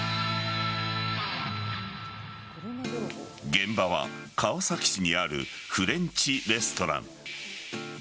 現場は川崎市にあるフレンチレストラン。